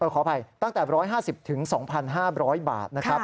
ขออภัยตั้งแต่๑๕๐๒๕๐๐บาทนะครับ